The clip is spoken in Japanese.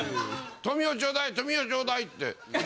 「富美男ちょうだい」「富美男ちょうだい」って。